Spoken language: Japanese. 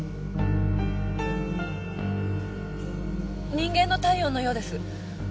人間の体温のようです。